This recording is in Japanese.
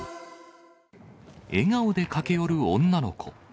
笑顔で駆け寄る女の子。